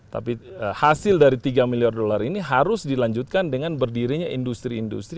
tapi hasil dari tiga miliar dolar ini harus dilanjutkan dengan berdirinya industri industri